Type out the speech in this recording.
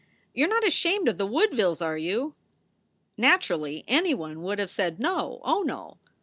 You re not ashamed of the Woodvilles, are you? " Naturally, anyone would have said, "No! Oh, no!"